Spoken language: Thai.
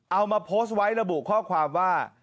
เอามาโพสต์ไว้ระบุข้อความว่า